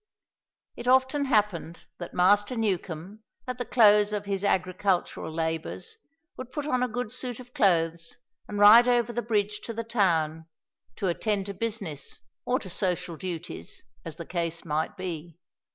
It often happened that Master Newcombe, at the close of his agricultural labours, would put on a good suit of clothes and ride over the bridge to the town, to attend to business or to social duties, as the case might be.